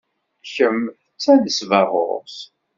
Kemm d tanesbaɣurt.